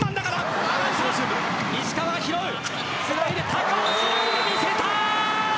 高橋藍が見せた！